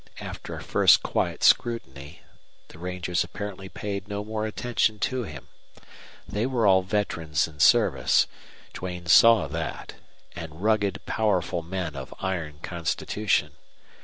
After a first quiet scrutiny the rangers apparently paid no more attention to him. They were all veterans in service Duane saw that and rugged, powerful men of iron constitution.